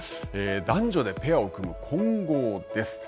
男女でペアを組む混合です。